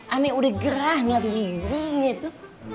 ini udah gerahnya luigihnya itu